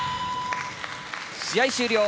試合終了。